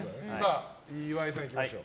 岩井さん、行きましょう。